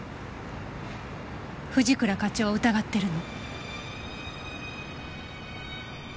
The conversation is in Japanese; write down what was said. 藤倉課長を疑ってるの？